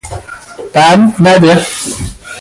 بند نده